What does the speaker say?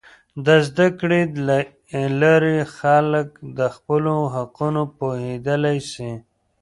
د زده کړې له لارې، خلک د خپلو حقونو پوهیدلی سي.